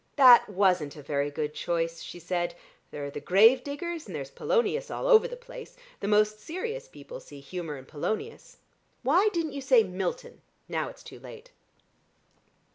"That wasn't a very good choice," she said. "There are the grave diggers, and there's Polonius all over the place. The most serious people see humour in Polonius. Why didn't you say Milton? Now it's too late."